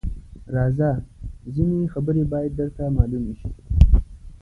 _راځه! ځينې خبرې بايد درته مالومې شي.